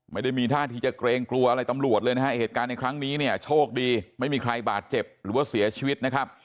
ไม่ได้มีท่าที่จะเกรงกลัวอะไรตำรวจเลยวันนี้โชคดีไม่มีใครบาดเจ็บหรือเสียชีวิต